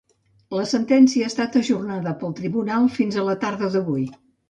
La sentència ha estat ajornada pel tribunal fins a la tarda d’avui.